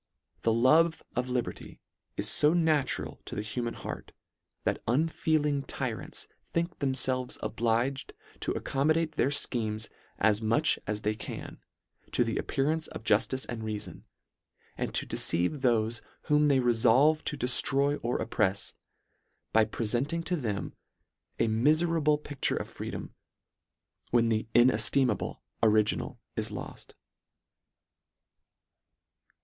The love of liberty is fo natural 72 LETTER VII. to the human heart, that unfeeling tyrants think themfelves obliged to accommodate their fchemes as much as they can to the appearance of juftice and reafon, and to deceive thofe whom they refolve to deftroy or opprefs, by prefenting to them a mifera ble picture of freedom, when the ineftimable original is loft.